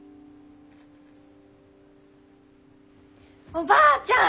おばあちゃん